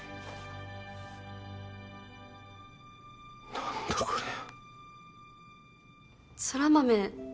何だこれ空豆